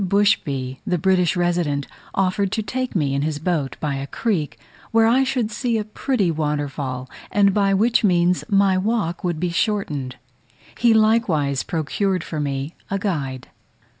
Bushby, the British resident, offered to take me in his boat by a creek, where I should see a pretty waterfall, and by which means my walk would be shortened. He likewise procured for me a guide.